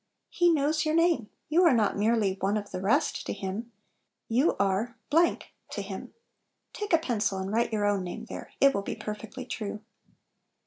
He knows your name; you are not merely one of the rest to Him, you are to Him. Take a pencil and write your 70 Little Pillows. own name there, it will be perfectly true!